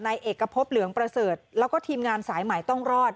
เอกพบเหลืองประเสริฐแล้วก็ทีมงานสายใหม่ต้องรอด